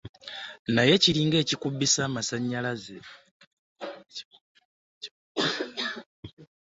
Naye kiringa ekikubisa amassanyalazze .